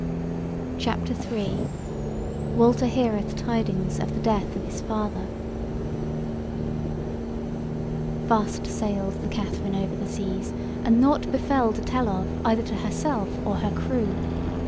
CHAPTER III: WALTER HEARETH TIDINGS OF THE DEATH OF HIS FATHER Fast sailed the Katherine over the seas, and nought befell to tell of, either to herself or her crew.